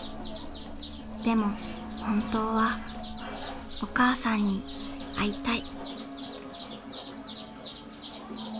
でも本当はお母さんに会いたい。